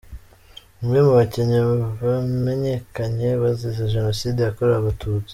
Bamwe mu bakinnyi bamenyekanye bazize Jenoside yakorewe Abatutsi.